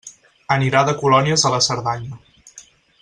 Anirà de colònies a la Cerdanya.